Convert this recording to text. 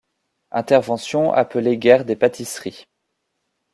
Intervention appelée guerre des Pâtisseries.